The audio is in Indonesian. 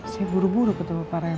saya buru buru ketemu pak raymond